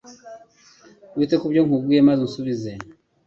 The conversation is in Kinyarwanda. Wite ku byo nkubwira maze unsubize